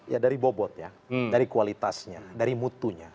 ya dari bobotnya dari kualitasnya dari mutunya